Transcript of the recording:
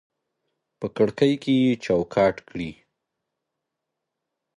په کړکۍ کې یې چوکاټ کړي